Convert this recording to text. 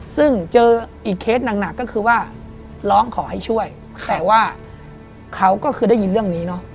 ซึ่งเจออีกเคสหนักก็คือว่าร้องขอให้ช่วยแต่ว่าเขาก็คือได้ยินเรื่องนี้เนอะ